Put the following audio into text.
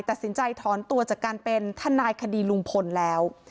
ตัดสินใจถอนตัวจากการเป็นทนายคดีลุงพลแล้ว